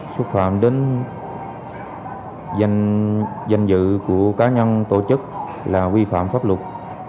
xúc phạm đến danh dự của cá nhân tổ chức là vi phạm pháp luật